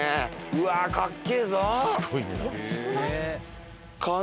うわかっけぇぞ。